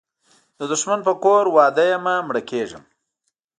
د دښمن په کور واده یمه مړه کیږم